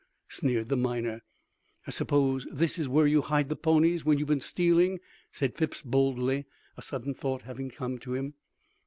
sneered the miner. "I suppose this is where you hide the ponies you have been stealing," said Phipps boldly, a sudden thought having come to him.